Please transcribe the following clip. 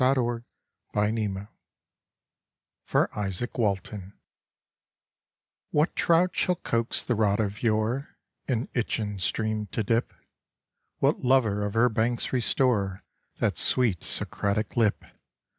For Izaak Walton WHAT trout shall coax the rod of yore In Itchen stream to dip? What lover of her banks restore That sweet Socratic lip?